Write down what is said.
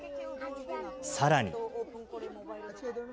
さらに。